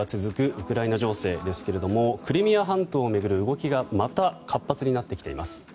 ウクライナ情勢ですがクリミア半島を巡る動きがまた活発になってきています。